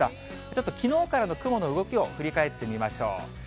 ちょっときのうからの雲の動きを振り返ってみましょう。